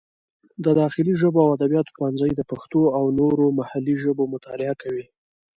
د داخلي ژبو او ادبیاتو پوهنځی د پښتو او نورې محلي ژبې مطالعه کوي.